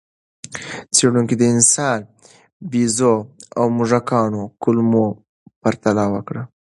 څېړونکي د انسان، بیزو او موږکانو کولمو پرتله وکړه.